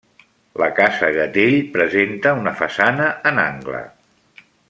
La casa Gatell presenta una façana en angle.